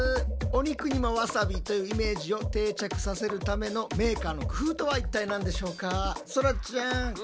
“お肉にもわさび”というイメージを定着させるためのメーカーの工夫とは一体何でしょうか？